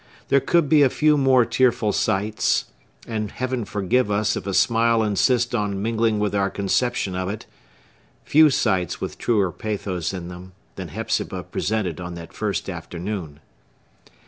There could be few more tearful sights,—and Heaven forgive us if a smile insist on mingling with our conception of it!—few sights with truer pathos in them, than Hepzibah presented on that first afternoon.